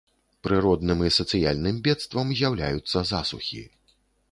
Прыродным і сацыяльным бедствам з'яўляюцца засухі.